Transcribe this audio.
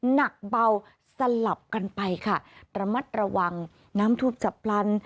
หนักเบาสลับกันไปค่ะระมัดระวังน้ำทุบจับพลัน